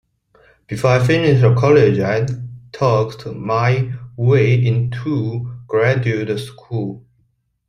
Before I finished college, I talked my way into graduate school.